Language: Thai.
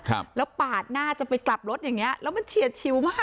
ครับแล้วปาดหน้าจะไปกลับรถอย่างเงี้แล้วมันเฉียดชิวมาก